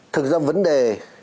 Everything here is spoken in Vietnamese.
thực ra vấn đề